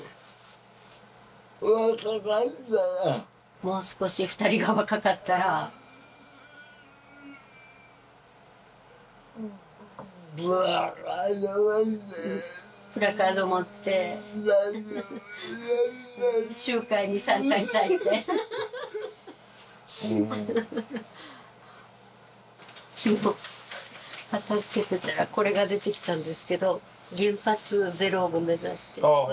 「もう少し２人が若かったら」「プラカード持って」「集会に参加したい」って片づけてたらこれが出てきたんですけど「原発ゼロを目指して」